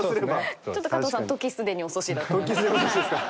ちょっと加藤さん時すでに遅しだと思いますけど。